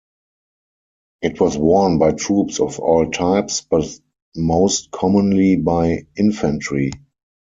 It was worn by troops of all types, but most commonly by infantry.